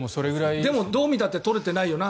でも、どう見てもとれてないよな？